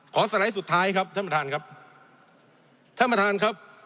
ขอสไลด์สุดท้ายครับท่านประธานครับ